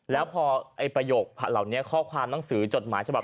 แล้วพอไอ้ประโยคเหล่านี้ข้อความหนังสือจดหมายฉบับ